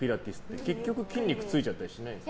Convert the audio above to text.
結局、筋肉ついちゃったりしないんですか？